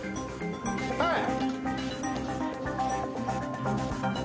はい。